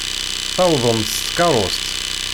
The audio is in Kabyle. Tewwḍem-d s tkeṛṛust.